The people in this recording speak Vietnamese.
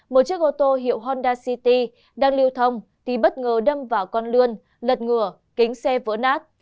một chiếc ô tô hiệu honda city đang lưu thông thì bất ngờ đâm vào con lươn lật ngừa kính xe vỡ nát